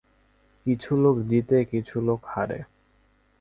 কিছু লোক জিতে, কিছু লোক হারে।